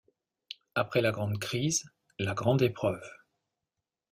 Après la grande crise, la grande épreuve.